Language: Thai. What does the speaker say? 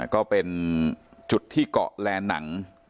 ก็เป็นจุดที่เกาะแลนหนัง